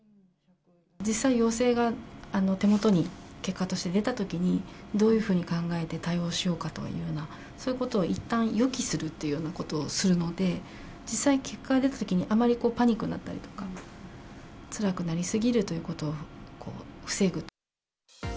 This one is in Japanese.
実際、陽性が手元に結果として出たときに、どういうふうに考えて対応しようかというような、そういうことをいったん予期するというようなことをするので、実際、結果が出たときにあまりパニックになったりとか、つらくなりすぎるということを防ぐ。